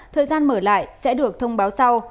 thời gian mở lại sẽ được thông báo sau